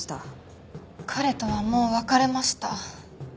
彼とはもう別れました。